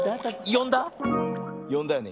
よんだよね？